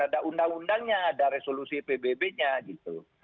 ada undang undangnya ada resolusi pbb nya gitu